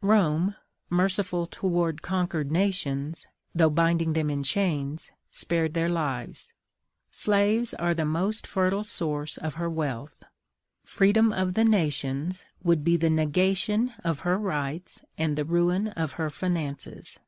Rome, merciful toward conquered nations, though binding them in chains, spared their lives; slaves are the most fertile source of her wealth; freedom of the nations would be the negation of her rights and the ruin of her finances.